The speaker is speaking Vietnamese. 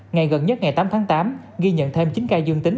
ngày gần nhất ngày tám tháng tám ghi nhận thêm chín ca dương tính